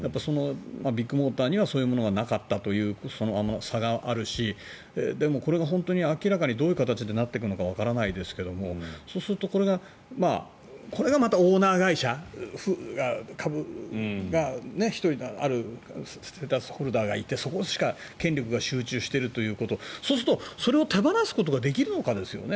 ビッグモーターにはそういうものがなかったという差があるし、でもこれが本当に、明らかにどういう形でなっていくのかわからないですけれどもそうすると、これがまたオーナー会社がステークホルダーがいてそこに権力が集中しているということそうするとそれを手放すことができるのかですよね。